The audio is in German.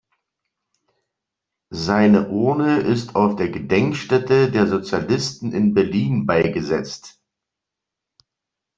Seine Urne ist auf der Gedenkstätte der Sozialisten in Berlin beigesetzt.